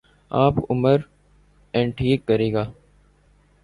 آب عمر انٹهیک کرے گا